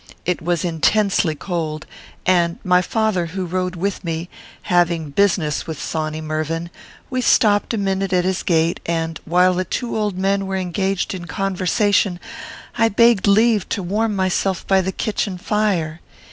It was intensely cold; and my father, who rode with me, having business with Sawny Mervyn, we stopped a minute at his gate; and, while the two old men were engaged in conversation, I begged leave to warm myself by the kitchen fire.